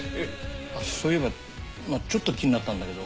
そういえばちょっと気になったんだけど。